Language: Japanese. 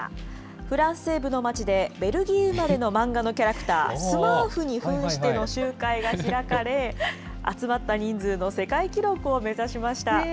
フランス西部の町で、ベルギー生まれの漫画のキャラクター、スマーフにふんしての集会が開かれ、集まった人数の世界記録を目指しました。